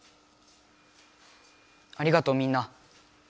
ありがとうみんな。